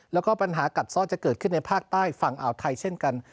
แล้วก็ปัญหากัดซ่อนจะเกิดขึ้นในภาคใต้ฝั่งอ่าวไทยเช่นกัน